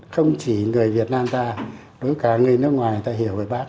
không chỉ người việt nam ta đối cả người nước ngoài ta hiểu về bác